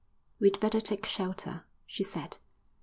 "We'd better take shelter," she said.